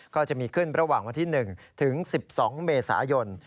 ก็จะมีขึ้นระหว่างวันที่๑ถึง๑๒เมษายน